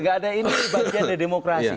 nggak ada ini dibanding ada demokrasi